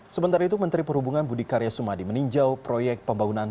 sementara itu menteri perhubungan budi karya sumadi meninjau proyek pembangunan